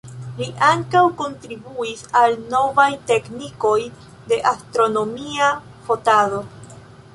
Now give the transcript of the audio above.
Li ankaŭ kontribuis al novaj teknikoj de astronomia fotado.